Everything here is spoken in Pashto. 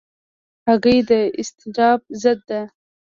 هګۍ د اضطراب ضد ده.